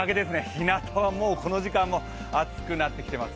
ひなたはこの時間でももう暑くなってきています。